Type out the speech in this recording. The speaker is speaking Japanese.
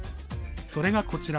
それが、こちら。